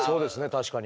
確かに。